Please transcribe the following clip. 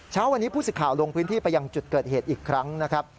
เช้าวันนี้ผู้สิทธิ์ข่าวลงพื้นที่ไปยังจุดเกิดเหตุอีกครั้งนะครับ